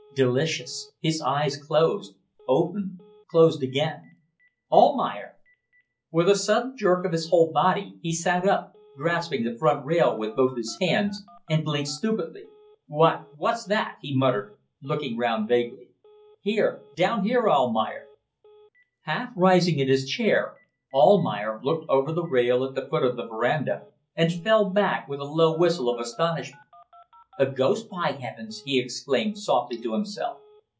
Delicious. His eyes closed opened closed again. "Almayer!" With a sudden jerk of his whole body he sat up, grasping the front rail with both his hands, and blinked stupidly. "What? What's that?" he muttered, looking round vaguely. "Here! Down here, Almayer." Half rising in his chair, Almayer looked over the rail at the foot of the verandah, and fell back with a low whistle of astonishment. "A ghost, by heavens!" he exclaimed softly to himself.